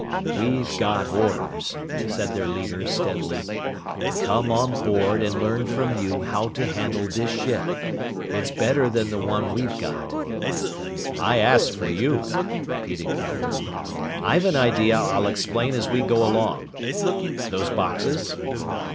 "We've got orders," said their leader, steadily, "to come on board and learn from you how to handle this ship. It's better than the one we've got." "I asked for you," repeated Calhoun. "I've an idea I'll explain as we go along.... Those boxes?"